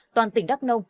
toàn tỉnh đắk nông